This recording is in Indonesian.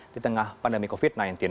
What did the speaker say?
di tengah pandemi covid sembilan belas